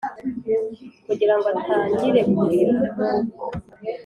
kugira ngo atangire kurira